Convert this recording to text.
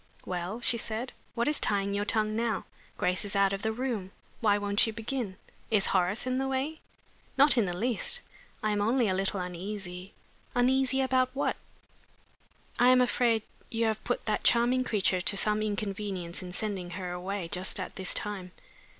"Well?" she said. "What is tying your tongue now? Grace is out of the room; why won't you begin? Is Horace in the way?" "Not in the least. I am only a little uneasy " "Uneasy about what?" "I am afraid you have put that charming creature to some inconvenience in sending her away just at this time."